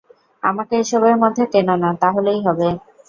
আমাকে এসবের মধ্যে টেনো না, তাহলেই হবে।